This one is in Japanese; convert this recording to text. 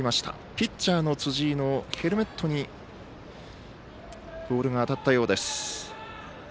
ピッチャーの辻井のヘルメットにボールが当たったようです。